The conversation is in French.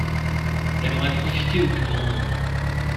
Elle aurait profité au plus grand nombre